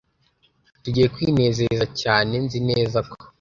Tugiye kwinezeza cyane. Nzi neza ko.